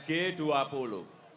negara dengan ekonomi terkuat